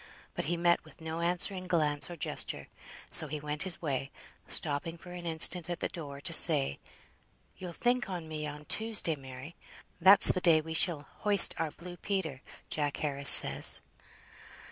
But he met with no answering glance or gesture, so he went his way, stopping for an instant at the door to say, "You'll think on me on Tuesday, Mary. That's the day we shall hoist our blue Peter, Jack Harris says."